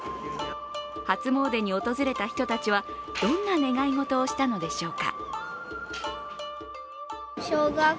初詣に訪れた人たちはどんな願い事をしたのでしょうか。